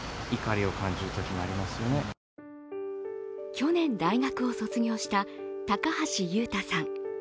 去年、大学を卒業した高橋悠太さん。